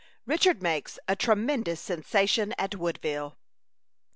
RICHARD MAKES A TREMENDOUS SENSATION AT WOODVILLE.